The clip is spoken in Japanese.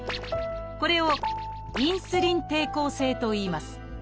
これを「インスリン抵抗性」といいます。